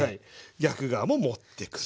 逆側も持ってくる。